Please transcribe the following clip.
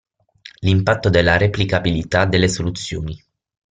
L'impatto della replicabilità delle soluzioni.